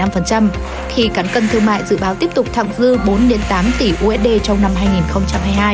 hai năm khi cán cân thương mại dự báo tiếp tục thẳng dư bốn đến tám tỷ usd trong năm hai nghìn hai mươi hai